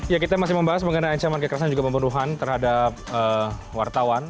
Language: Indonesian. ya kita masih membahas mengenai ancaman kekerasan juga pembunuhan terhadap wartawan